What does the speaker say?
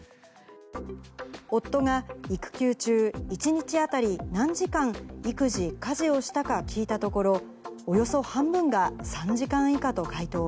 夫が育休中、１日当たり何時間、育児・家事をしたか聞いたところ、およそ半分が３時間以下と回答。